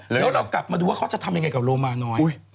เดี๋ยวเรากลับมาดูว่าเขาจะทำยังไงกับโลมาน้อย